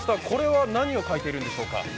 これは何を書いているんでしょうか？